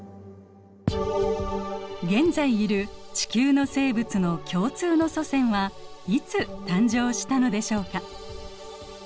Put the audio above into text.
現在いる地球の生物の共通の祖先はいつ誕生したのでしょうか？